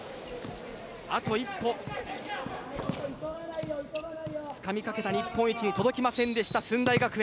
あと一歩つかみかけた日本一に届きませんでした、駿台学園。